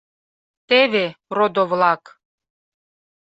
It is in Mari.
Теве, родо-влак...